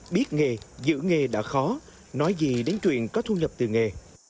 biết nghề giữ nghề đã khó nói gì đến chuyện có thu nhập từ nghề